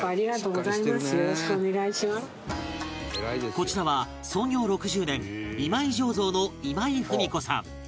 こちらは創業６０年今井醸造の今井富美子さん